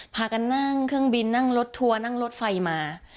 พากันนั่งเครื่องบินนั่งรถทัวร์นั่งรถไฟมา